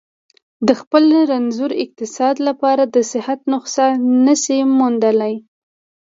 د خپل رنځور اقتصاد لپاره د صحت نسخه نه شي موندلای.